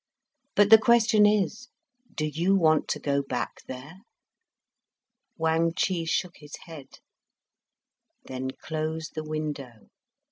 But the question is, do you want to go back there?" Wang Chih shook his head. "Then close the window.